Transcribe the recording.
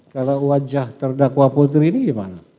kalau wajah terdakwa putri ini gimana